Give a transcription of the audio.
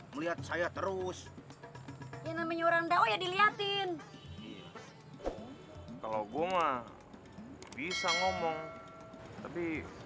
melihat saya terus ya namanya orang dao ya dilihatin kalau gue mah bisa ngomong tapi